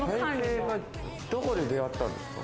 どこで出会ったんですか？